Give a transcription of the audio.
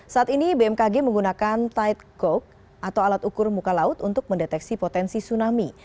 saat ini bmkg menggunakan tight code atau alat ukur muka laut untuk mendeteksi potensi tsunami